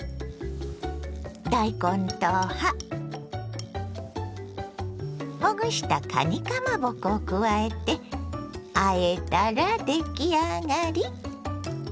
大根と葉ほぐしたかにかまぼこを加えてあえたら出来上がり。